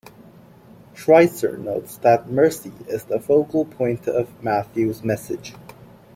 Schweizer notes that mercy is the focal point of Matthew's message.